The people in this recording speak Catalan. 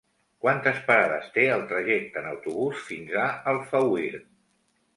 Quantes parades té el trajecte en autobús fins a Alfauir?